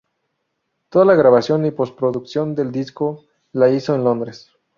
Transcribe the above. Toda la grabación y postproducción del disco la hizo en Londres.